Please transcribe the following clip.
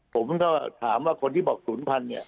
ผมถามว่าคนที่บอกศูนย์พันธุ์เนี่ย